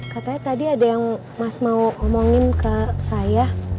katanya tadi ada yang mas mau omongin ke saya